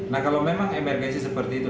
nah kalau memang emergensi seperti itu